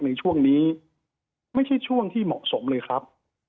ในช่วงนี้ไม่ใช่ช่วงที่เหมาะสมเลยครับ